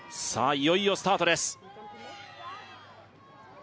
いよいよスタートです